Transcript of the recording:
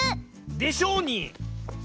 でしょうに！